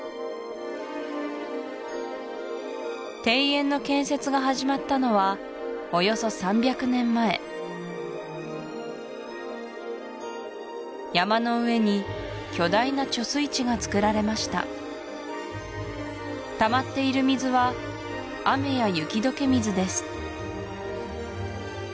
庭園の建設が始まったのはおよそ３００年前山の上に巨大な貯水池がつくられましたたまっている水は雨や雪解け水です